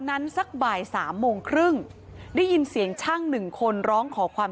สักบ่ายสามโมงครึ่งได้ยินเสียงช่างหนึ่งคนร้องขอความ